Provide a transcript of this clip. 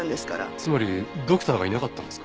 つまりドクターがいなかったんですか？